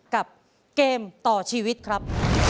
กับเกมต่อชีวิตครับ